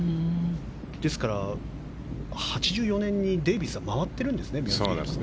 ですから、８４年にデービースは回ってるんですね。